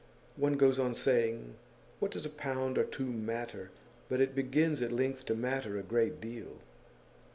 One goes on saying, "What does a pound or two matter?" but it begins at length to matter a great deal.